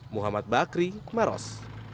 muhammad bakri maros